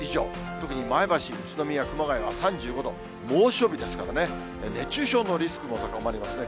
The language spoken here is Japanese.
特に前橋、宇都宮、熊谷は３５度、猛暑日ですからね、熱中症のリスクも高まりますね。